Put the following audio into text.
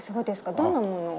どんなものを。